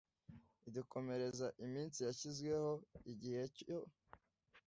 idukomereza iminsi yashyiriweho igihe cyo